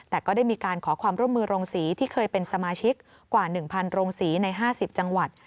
แต่ก็ได้มีการขอความร่วมมือโรงศรีที่เคยเป็นสมาชิกกว่า๑๐๐โรงศรีใน๕๐จังหวัด